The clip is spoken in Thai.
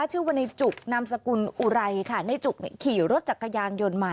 ชื่อวันนายจุบนามสกุลอุไรในจุบขี่รถจากกระยานยนต์มา